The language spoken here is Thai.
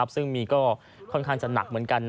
ซึ่งหมีก็สนับเหมือนกัน